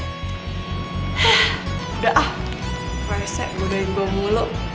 udah ah parah seh bodohin gua mulu